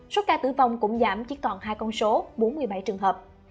số ca tử vong cũng giảm chỉ còn hai con số bốn mươi bảy trường hợp